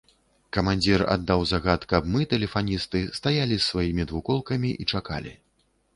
Камандзір аддаў загад, каб мы, тэлефаністы, стаялі з сваімі двухколкамі і чакалі.